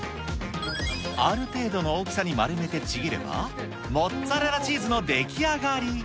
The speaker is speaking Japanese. ある程度の大きさに丸めてちぎれば、モッツァレラチーズの出来上がり。